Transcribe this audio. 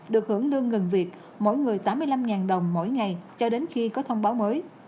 được hưởng lương ngừng việc mỗi người tám mươi năm đồng mỗi ngày cho đến khi có thông báo mới